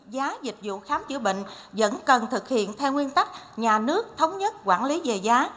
giá dịch vụ khám chữa bệnh vẫn cần thực hiện theo nguyên tắc nhà nước thống nhất quản lý về giá